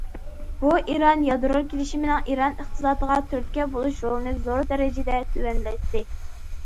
بۇ، ئىران يادرو كېلىشىمىنىڭ ئىران ئىقتىسادىغا تۈرتكە بولۇش رولىنى زور دەرىجىدە تۆۋەنلەتتى.